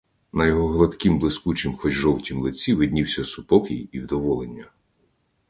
На його гладкім, блискучім, хоч жовтім лиці виднівся супокій і вдоволення.